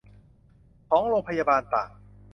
ของโรงพยาบาลต่าง